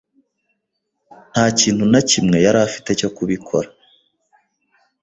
nta kintu na kimwe yari afite cyo kubikora.